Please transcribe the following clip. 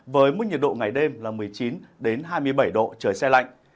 với mức nhiệt độ ngày đêm là một mươi chín hai mươi bảy độ trời xe lạnh